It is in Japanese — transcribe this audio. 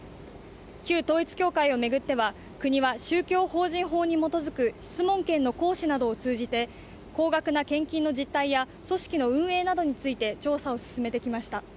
旧統一教会を巡っては国は宗教法人法に基づく質問権の行使などを通じて高額な献金の実態や組織の運営などについて調査を進めてきました